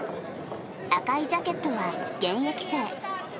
赤いジャケットは現役生。